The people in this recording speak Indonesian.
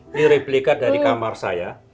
ini replika dari kamar saya